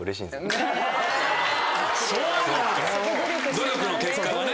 努力の結果がね。